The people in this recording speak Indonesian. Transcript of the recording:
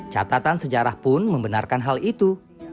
catatan sejarah pun membenarkan hal itu